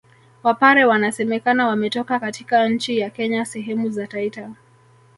Wapare wanasemekana wametoka katika nchi ya Kenya sehemu za Taita